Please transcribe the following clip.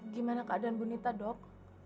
gimana keadaan bu nita dok